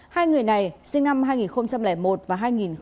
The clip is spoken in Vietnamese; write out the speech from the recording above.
hai người này sinh năm hai nghìn một và hai nghìn một